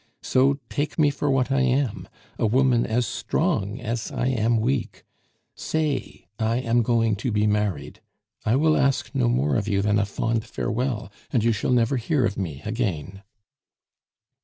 So take me for what I am a woman as strong as I am weak. Say 'I am going to be married.' I will ask no more of you than a fond farewell, and you shall never hear of me again."